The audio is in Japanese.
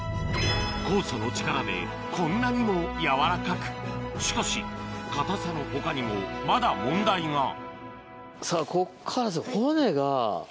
酵素の力でこんなにもやわらかくしかし硬さの他にもまだ問題がさぁこっからですよ。